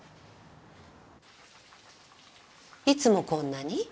いつもこんなに？